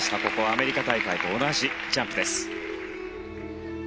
アメリカ大会と同じジャンプでした。